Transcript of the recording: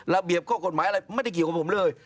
ระเบียบข้อกฎหมายอะไรไม่ได้เกี่ยวกับผมเลย